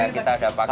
kita ada paketnya